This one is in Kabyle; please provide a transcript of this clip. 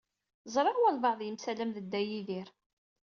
Ẓṛiɣ walebɛaḍ yemsalam d Dda Yidir.